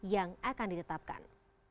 yang akan ditetapkan